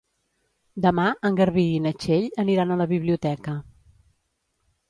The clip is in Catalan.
Demà en Garbí i na Txell aniran a la biblioteca.